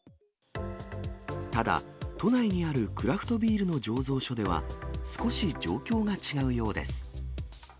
ただ、都内にあるクラフトビールの醸造所では、少し状況が違うようです。